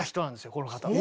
この方は。